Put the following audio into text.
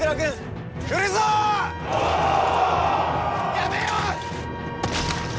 やめよ！